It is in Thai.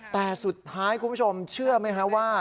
แต่สุดท้ายคุณผู้ชมเชื่อไหมฮะว่า